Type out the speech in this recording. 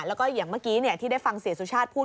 แล้วก็อย่างเมื่อกี้ที่ได้ฟังเสียสุชาติพูด